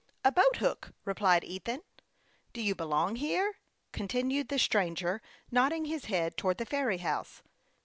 " A boat hook," replied Ethan. " Do you belong here ?" continued the stranger, nodding his head towards the ferry house.